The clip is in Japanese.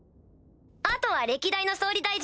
あとは歴代の総理大臣だが。